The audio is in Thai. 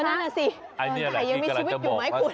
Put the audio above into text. ไก่ยังมีชีวิตอยู่ไหมคุณ